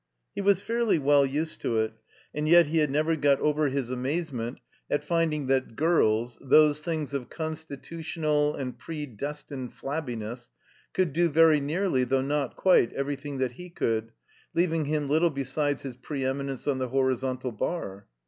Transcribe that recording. He was fairly well used to it ; and yet he had never got over his amazement at finding that girls, those things of constitutional and predestined flabbiness, cotdd do very nearly (though not quite) everything that he cotdd, leaving him little besides his pre eminence on the horizontal bar.